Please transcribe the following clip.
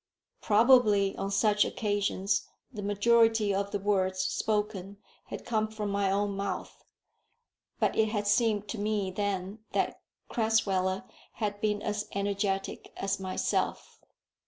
Probably on such occasions the majority of the words spoken had come from my own mouth; but it had seemed to me then that Crasweller had been as energetic as myself.